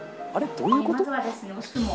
どういうこと？